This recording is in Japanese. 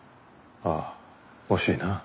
あっ惜しいな。